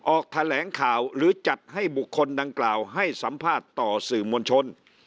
ออกแถลงข่าวหรือจัดให้บุคคลดังกล่าวให้สัมภาษณ์ต่อสื่อมวลชน